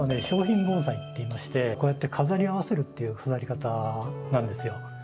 小品盆栽っていいましてこうやって飾り合わせるっていう飾り方なんですよ。